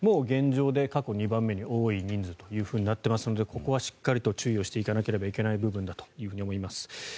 現状で過去２番目に多い人数となっていますのでここはしっかりと注意していかなければいけない部分だと思います。